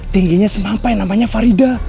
tingginya semampai namanya farida